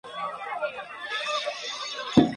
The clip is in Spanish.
María Mejía nació en la ciudad de La Paz.